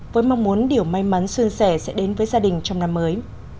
với mong muốn điều may mắn xuyên xẻ sẽ đến với gia đình trong năm mới